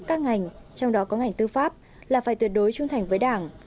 các ngành trong đó có ngành tư pháp là phải tuyệt đối trung thành với đảng